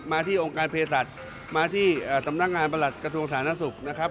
ที่องค์การเพศสัตว์มาที่สำนักงานประหลัดกระทรวงสาธารณสุขนะครับ